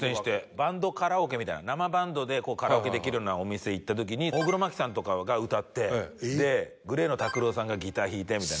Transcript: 「バンドカラオケみたいな生バンドでカラオケできるようなお店行った時に大黒摩季さんとかが歌ってＧＬＡＹのＴＡＫＵＲＯさんがギター弾いてみたいな」